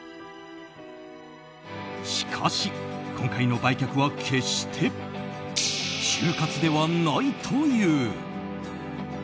しかし、今回の売却は決して終活ではないという。